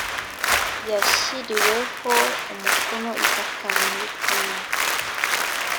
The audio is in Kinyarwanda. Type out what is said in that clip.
yashyiriweho umukono i dakar muri kenya